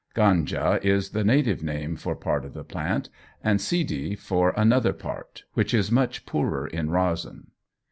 Ganja is the native name for part of the plant, and Sidhi for another part, which is much poorer in resin.